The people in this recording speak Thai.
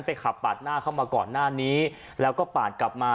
ขับปาดหน้าเข้ามาก่อนหน้านี้แล้วก็ปาดกลับมา